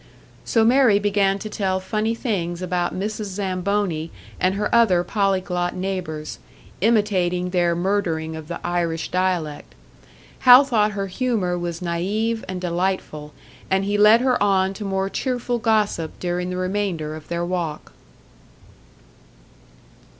So Mary began to tell funny things about Mrs. Zamboni and her other polyglot neighbours, imitating their murdering of the Irish dialect. Hal thought her humour was naïve and delightful, and he led her on to more cheerful gossip during the remainder of their walk.